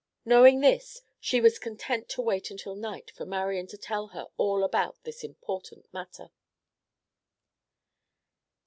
Knowing this, she was content to wait until night for Marian to tell her all about this important matter.